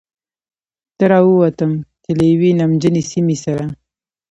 ته را ووتم، چې له یوې نمجنې سیمې سره.